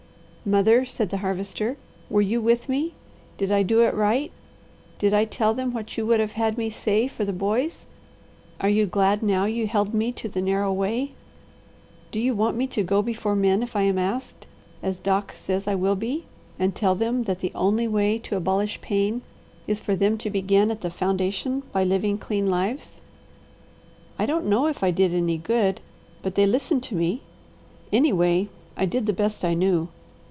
"Mother," said the Harvester, "were you with me? Did I do it right? Did I tell them what you would have had me say for the boys? Are you glad now you held me to the narrow way? Do you want me to go before men if I am asked, as Doc says I will be, and tell them that the only way to abolish pain is for them to begin at the foundation by living clean lives? I don't know if I did any good, but they listened to me. Anyway, I did the best I knew.